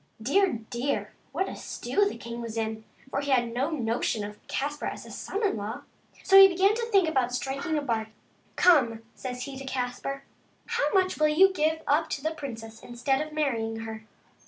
Deaf, dear, what a stew the king was in, for he had no notion for Caspar as a son in law. So he began to think about striking a bargain. " Come," says he to Caspar, " how much will you take to give up the princess instead of marrying her